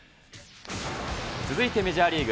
続いてメジャーリーグ。